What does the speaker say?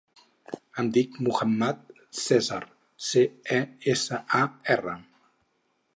Em dic Muhammad Cesar: ce, e, essa, a, erra.